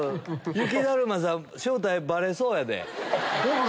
雪だるまさん正体バレそうやで。